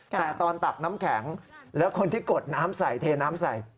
แต่ตอนตักน้ำแข็งแล้วคนที่กดน้ำใส่เทน้ำใส่